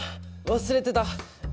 忘れてた。